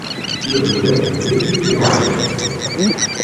Ĉio dependas de vidpunkto.